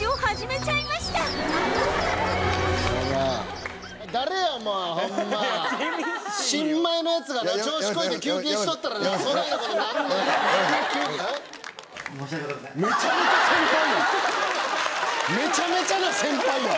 めちゃめちゃな先輩や。